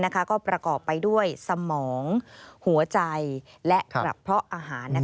ก็ประกอบไปด้วยสมองหัวใจและกระเพาะอาหาร